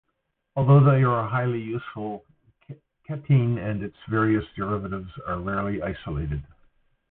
Although they are highly useful, ketene and its various derivatives are rarely isolated.